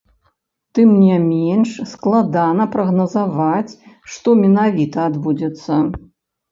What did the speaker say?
Тым не менш, складана прагназаваць, што менавіта адбудзецца.